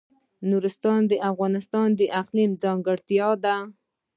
نورستان د افغانستان د اقلیم ځانګړتیا ده.